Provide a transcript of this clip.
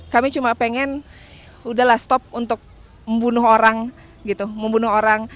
kami cuma pengen udahlah stop untuk membunuh orang gitu membunuh orang